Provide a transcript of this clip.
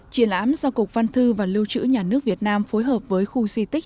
triển lãm do cục văn thư và lưu trữ nhà nước việt nam phối hợp với khu di tích